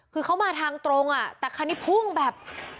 คือเขามาทางตรงอ่ะแต่คันนี้พุ่งแบบ